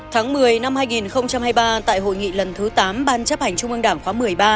tháng một mươi năm hai nghìn hai mươi ba tại hội nghị lần thứ tám ban chấp hành trung ương đảng khóa một mươi ba